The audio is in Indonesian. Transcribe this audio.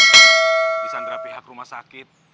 di sandra pihak rumah sakit